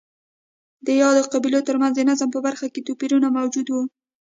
د یادو قبیلو ترمنځ د نظم په برخه کې توپیرونه موجود وو